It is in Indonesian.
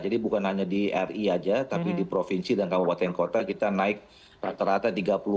jadi bukan hanya di ri saja tapi di provinsi dan kabupaten kota kita naik rata rata tiga puluh empat puluh